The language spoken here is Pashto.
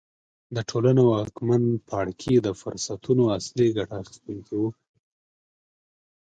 د ټولنې واکمن پاړکي د فرصتونو اصلي ګټه اخیستونکي وو.